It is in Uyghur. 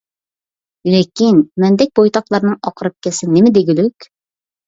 لېكىن مەندەك بويتاقلارنىڭ ئاقىرىپ كەتسە نېمە دېگۈلۈك؟ !